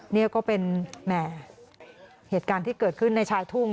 นี่ก็เป็นแหมเหตุการณ์ที่เกิดขึ้นในชายทุ่ง